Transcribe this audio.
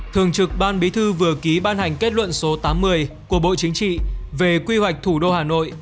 thường trực ban bí thư vừa ký ban hành kết luận số tám mươi của bộ chính trị về quy hoạch thủ đô hà nội